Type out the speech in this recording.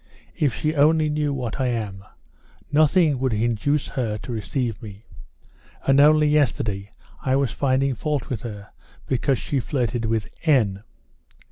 "If she only knew what I am, nothing would induce her to receive me. And only yesterday I was finding fault with her because she flirted with N